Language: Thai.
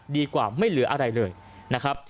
ดีกว่าไม่เหลืออะไรเลยนะครับ